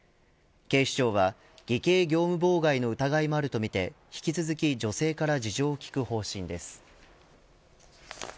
警視庁は偽計業務妨害の疑いもあるとみて引き続き女性から事情を聴く方針です。